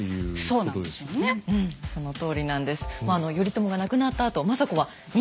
そのとおりなんです。